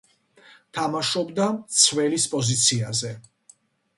თამაშობდა მცველის პოზიციაზე.